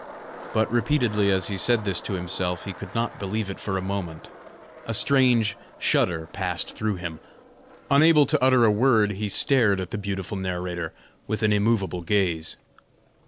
But repeatedly as he said this to himself, he could not believe it for a moment; a strange shudder passed through him; unable to utter a word, he stared at the beautiful narrator with an immovable gaze.